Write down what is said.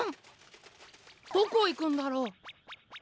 どこいくんだろう？